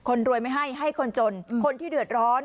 คนรวยไม่ให้ให้คนจนคนที่เดือดร้อน